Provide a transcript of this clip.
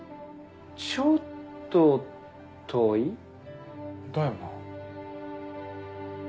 ちょっと遠い？だよな。